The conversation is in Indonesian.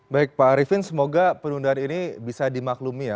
baik pak arifin semoga penundaan ini bisa dimaklumi ya